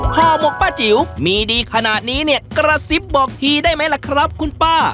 ห่อหมกป้าจิ๋วมีดีขนาดนี้เนี่ยกระซิบบอกทีได้ไหมล่ะครับคุณป้า